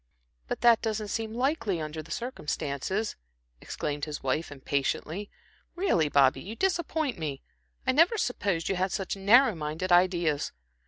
"But that doesn't seem likely, under the circumstances," exclaimed his wife, impatiently. "Really, Bobby, you disappoint me. I never supposed you had such narrow minded ideas.